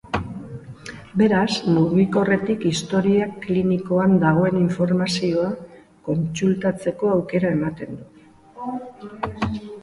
Beraz, mugikorretik historia klinikoan dagoen informazioa kontsultatzeko aukera ematen du.